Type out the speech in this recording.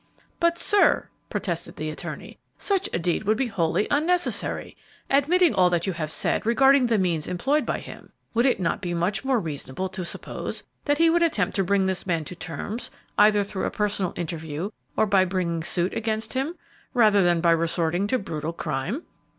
"But, sir," protested the attorney, "such a deed would be wholly unnecessary. Admitting all that you have said regarding the means employed by him, would it not be much more reasonable to suppose that he would attempt to bring his man to terms either through a personal interview or by bringing suit against him, rather than by resorting to brutal crime?"